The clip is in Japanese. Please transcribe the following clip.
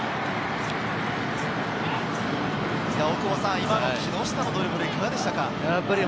今の木下のドリブル、いかがでしたか？